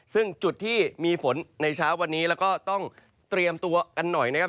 ซึ่งจุดที่มีฝนในเช้าวันนี้แล้วก็ต้องเตรียมตัวกันหน่อยนะครับ